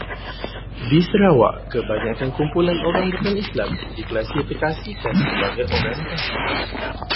Di Sarawak, kebanyakan kumpulan orang bukan Islam diklasifikasikan sebagai orang Dayak.